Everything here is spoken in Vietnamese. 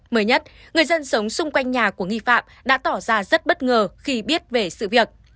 mới nhất người dân sống xung quanh nhà của nghi phạm đã tỏ ra rất bất ngờ khi biết về sự việc